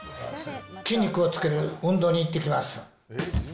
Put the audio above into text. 筋肉をつける運動に行ってきます。